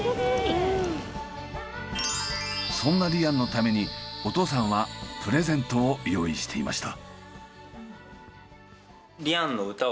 そんなリアンのためにお父さんはプレゼントを用意していました。